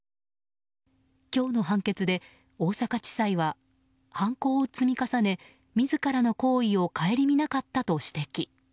今日の判決で大阪地裁は犯行を積み重ね自らの行為を顧みなかったと指摘。